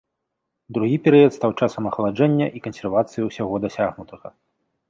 Другі перыяд стаў часам ахаладжэння і кансервацыі ўсяго дасягнутага.